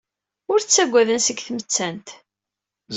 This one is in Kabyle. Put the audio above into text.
Ur ttagaden seg tmettant.